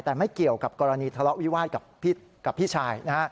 แต่ไม่เกี่ยวกับกรณีทะเลาะวิวาสกับพี่ชายนะฮะ